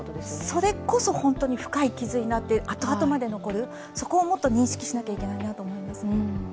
それこそ本当に深い傷になってあとあとまで残るそこをもっと認識しなきゃいけないなと思います。